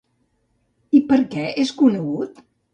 I per què és conegut?